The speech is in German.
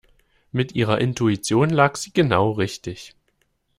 Mit ihrer Intuition lag sie genau richtig.